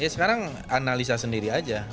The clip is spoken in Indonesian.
sekarang analisa sendiri saja